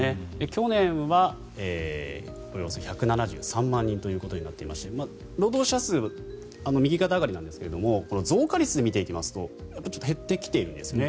去年はおよそ１７３万人ということになっていまして労働者数は右肩上がりなんですが増加率で見ていきますと減ってきているんですね。